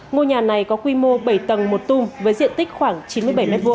ngôi nhà này có quy mô bảy tầng một tung với diện tích khoảng chín mươi bảy m hai